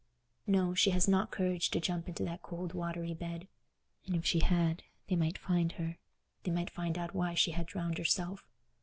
No, she has not courage to jump into that cold watery bed, and if she had, they might find her—they might find out why she had drowned herself.